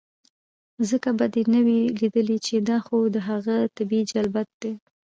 ځکه به دې نۀ وي ليدلے چې دا خو د هغه طبعي جبلت دے